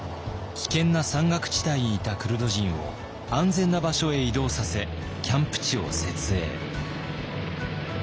危険な山岳地帯にいたクルド人を安全な場所へ移動させキャンプ地を設営。